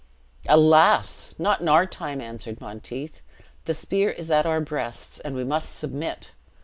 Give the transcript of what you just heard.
"Alas! not in our time!" answered Monteith. "The spear is at our breasts, and we must submit.